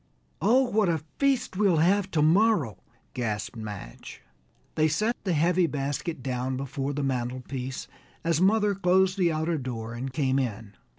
"Oh, what a feast we'll have tomorrow," gasped Madge. They set the heavy basket down before the mantel piece, as mother closed the outer door and came in.